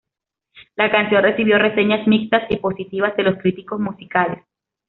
La canción recibió reseñas mixtas y positivas de los críticos musicales.